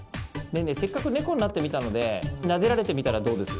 せっかく猫になってみたのでなでられてみたらどうです？